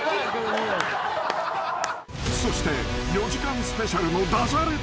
［そして４時間スペシャルのダジャレ